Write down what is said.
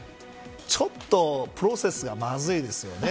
ちょっとプロセスがまずいですよね。